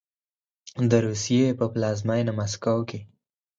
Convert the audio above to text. د روسیې په پلازمینه مسکو کې